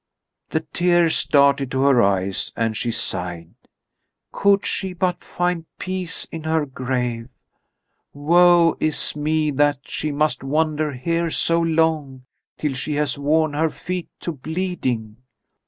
The tears started to her eyes, and she sighed: "Could she but find peace in her grave! Woe is me that she must wander here so long, till she has worn her feet to bleeding!"